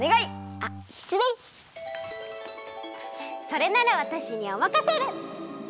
それならわたしにおまかシェル！